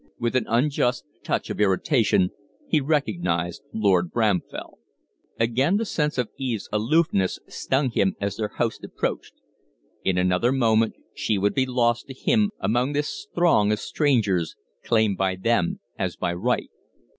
With an unjust touch of irritation he recognized Lord Bramfell. Again the sense of Eve's aloofness stung him as their host approached. In another moment she would be lost to him among this throng of strangers claimed by them as by right.